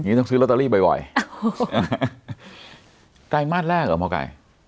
นี่ต้องซื้อลอตเตอรี่บ่อยบ่อยอ่าโหตรายมาสแรกเหรอพ่อไก่